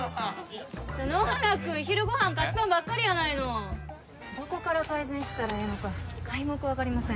ちょっ野原くん昼ごはん菓子パンばっかりやないのどこから改善したらええのか皆目分かりません